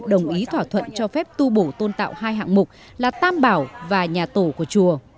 đồng ý thỏa thuận cho phép tu bổ tôn tạo hai hạng mục là tam bảo và nhà tổ của chùa